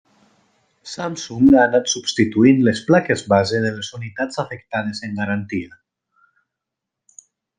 Samsung ha anat substituint les plaques base de les unitats afectades en garantia.